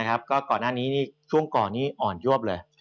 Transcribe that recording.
ก็ก่อนหน้านี้ช่วงก่อนนี้อ่อนยวบเลย